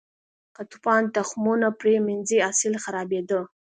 که توپان تخمونه پرې منځي، حاصل خرابېده.